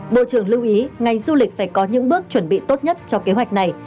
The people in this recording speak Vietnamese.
bộ trưởng lưu ý ngành du lịch phải có những bước chuẩn bị tốt nhất cho kế hoạch này